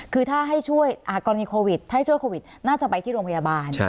คือถ้าให้ช่วยกรณีโควิดถ้าให้ช่วยโควิดน่าจะไปที่โรงพยาบาล